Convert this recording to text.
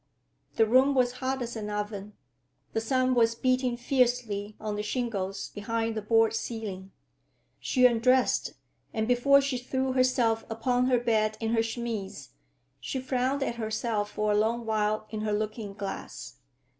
The room was hot as an oven. The sun was beating fiercely on the shingles behind the board ceiling. She undressed, and before she threw herself upon her bed in her chemise, she frowned at herself for a long while in her looking glass.